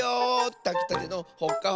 たきたてのほっかほかだよ！